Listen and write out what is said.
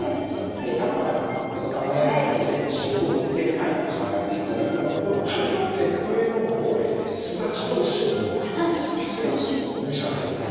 淡泊なお魚なので塩昆布で召し上がっていただくのと上の方はスダチとお塩でお召し上がりください。